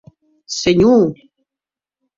Senhor!